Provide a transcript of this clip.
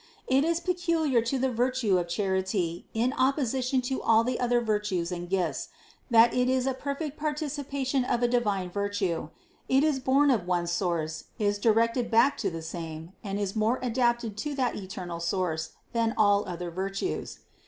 It is peculiar to the virtue of char ity in opposition to all the other virtues and gifts, that it is a perfect participation of a divine virtue ; it is born of one source, is directed back to the same, and is more adapted to that eternal source than all other virtues.